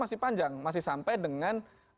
masih panjang masih sampai dengan